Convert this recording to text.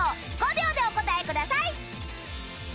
５秒でお答えください！